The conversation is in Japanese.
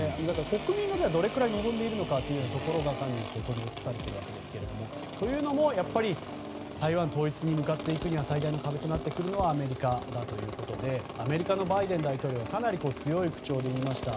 国民もどれくらい望んでいるかが取りざたされていますがというのもやっぱり、台湾統一に向かっていくには最大の壁となるのはアメリカだということでアメリカのバイデン大統領はかなり強い口調で言いました。